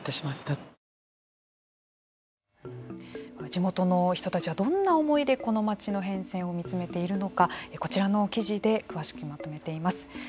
地元の人たちはどんな思いでこの町の変遷を見つめているのかこちらの記事で詳しくまとめています。